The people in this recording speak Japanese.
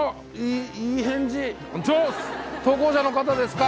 投稿者の方ですか？